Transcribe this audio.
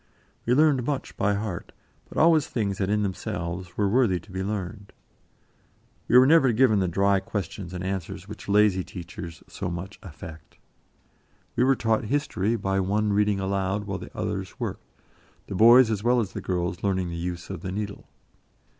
We learned much by heart, but always things that in themselves were worthy to be learned. We were never given the dry questions and answers which lazy teachers so much affect. We were taught history by one reading aloud while the others worked the boys as well as the girls learning the use of the needle.